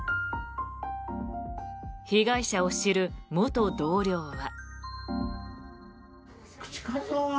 被害者を知る元同僚は。